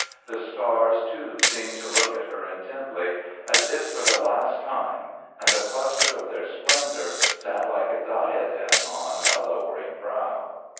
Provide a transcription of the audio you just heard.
The stars too seemed to look at her intently, as if for the last time, and the cluster of their splendour sat like a diadem on a lowering brow."